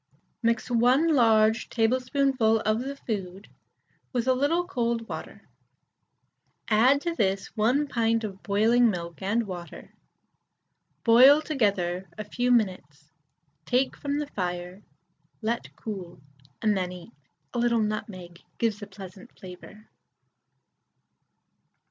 Mix 1 large tablespoonful of the food with a little cold water, add to this 1 pint of boiling milk and water, boil together a few minutes, take from the fire, let cool, and then eat. A little nutmeg gives a pleasant flavour.